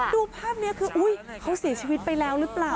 ดูภาพนี้คืออุ๊ยเขาเสียชีวิตไปแล้วหรือเปล่า